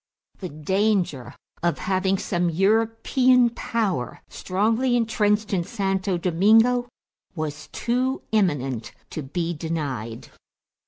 The danger of having some European power strongly intrenched in Santo Domingo was too imminent to be denied.